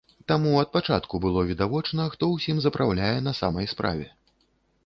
Таму ад пачатку было відавочна, хто ўсім запраўляе на самай справе.